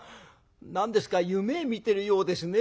何ですか夢見てるようですね。